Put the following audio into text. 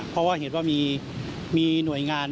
เพราะว่าเห็นว่ามีหน่วยงาน